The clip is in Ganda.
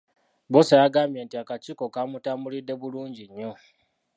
Bbosa yagambye nti akakiiko kaamutambulidde bulungi nnyo.